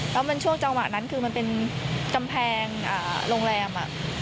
แล้วมันช่วงจังหวะนั้นคือมันเป็นกำแพงโรงแรม